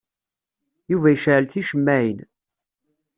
Yuba yecɛel ticemmaɛin.